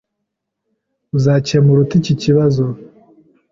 Uzakemura ute iki kibazo?